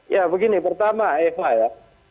ya begini pertama eva ya